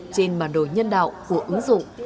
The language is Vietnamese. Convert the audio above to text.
trên bản đồ nhân đạo của ứng dụng